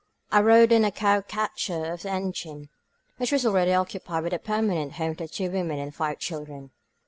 I rode on the cow catcher of the engine, which was already occupied by the permanent home of two women and five children.